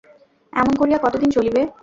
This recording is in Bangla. এমন করিয়া কতদিন চলিবে!